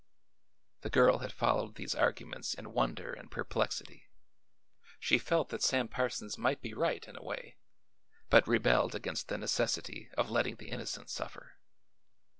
The girl had followed these arguments in wonder and perplexity. She felt that Sam Parsons might be right, in a way, but rebelled against the necessity of letting the innocent suffer.